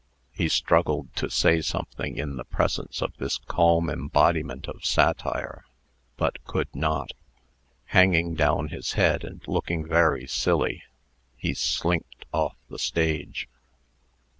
He struggled to say something in the presence of this calm embodiment of satire, but could not. Hanging down his head, and looking very silly, he slinked off the stage.